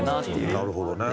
なるほどね。